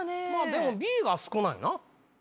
でもＢが少ないな。